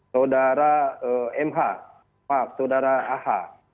saudara mh pak saudara ah